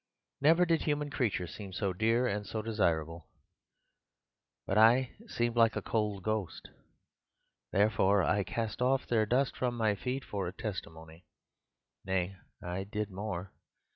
Never did human creatures seem so dear and so desirable: but I seemed like a cold ghost; therefore I cast off their dust from my feet for a testimony. Nay, I did more.